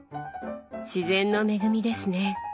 自然の恵みですね。